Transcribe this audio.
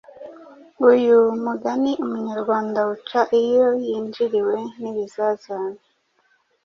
Uyu mugani umunyarwanda awuca iyo yinjiriwe n’ibizazane